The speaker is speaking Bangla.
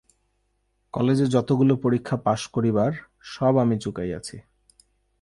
কলেজে যতগুলো পরীক্ষা পাস করিবার সব আমি চুকাইয়াছি।